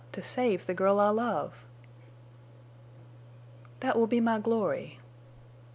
To save the girl I love!" "That will be my glory."